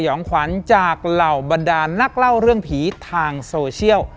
องขวัญจากเหล่าบรรดานนักเล่าเรื่องผีทางโซเชียล